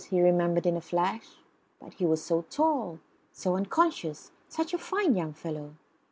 he remembered in a flash. But he was so tall; so unconscious; such a fine young fellow.